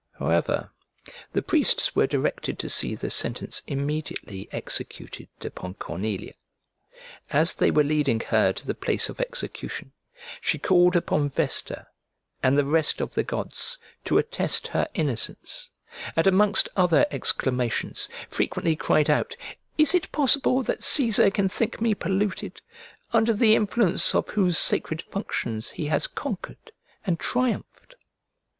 However, the priests were directed to see the sentence immediately executed upon Cornelia. As they were leading her to the place of execution, she called upon Vesta, and the rest of the gods, to attest her innocence; and, amongst other exclamations, frequently cried out, "Is it possible that Cæsar can think me polluted, under the influence of whose sacred functions he has conquered and triumphed?"